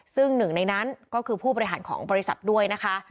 ซึ่งหนึ่งในนั้นก็คือผู้บริหารของบริษัทด้วยนะคะ